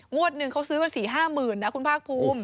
งวดหนึ่งเขาซื้อว่า๔๕หมื่นนะคุณภาคภูมิ